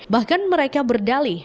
bahkan mereka berdalih